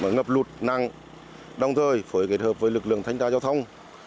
ngập lụt năng đồng thời phải kết hợp với lực lượng thanh tra giao thông